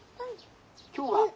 今日は」。